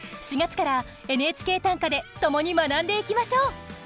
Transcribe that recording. ４月から「ＮＨＫ短歌」でともに学んでいきましょう。